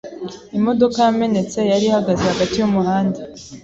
Imodoka yamenetse yari ihagaze hagati yumuhanda.